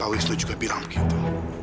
pak wisnu juga bilang begitu